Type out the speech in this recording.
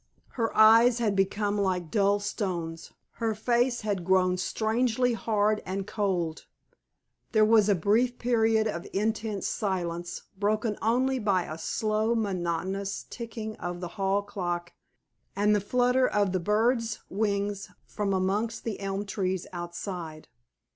Her eyes had become like dull stones. Her face had grown strangely hard and cold. There was a brief period of intense silence, broken only by a slow, monotonous ticking of the hall clock and the flutter of the birds' wings from amongst the elm trees outside.